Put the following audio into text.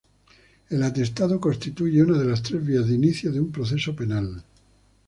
El atestado constituye una de las tres vías de inicio de un proceso penal.